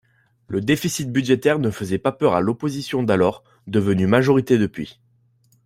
Le déficit budgétaire ne faisait pas peur à l’opposition d’alors, devenue majorité depuis.